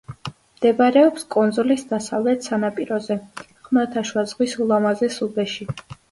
მდებარეობს კუნძულის დასავლეთ სანაპიროზე, ხმელთაშუა ზღვის ულამაზეს უბეში.